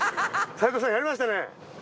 齊藤さんやりましたね。